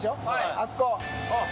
あそこ。